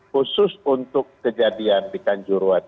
khusus untuk kejadian di kanjuruan